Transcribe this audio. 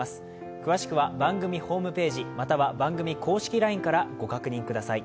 詳しくは番組ホームページ、または番組公式ＬＩＮＥを御覧ください。